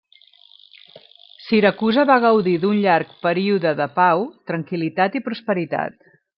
Siracusa va gaudir d'un llarg període de pau, tranquil·litat i prosperitat.